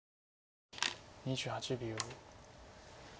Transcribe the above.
２８秒。